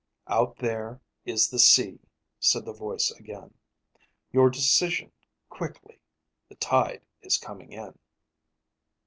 "Out there is the sea," said the voice again. "Your decision quickly. The tide is coming in...."